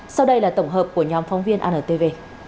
sau đây là tổng hợp của nhóm phóng viên antv